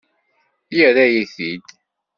Yerra-yi-t-id.